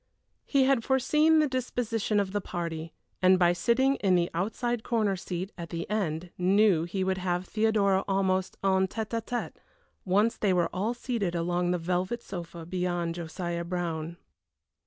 He had foreseen the disposition of the party, and by sitting in the outside corner seat at the end knew he would have Theodora almost en tête à tête, once they were all seated along the velvet sofa beyond Josiah Brown.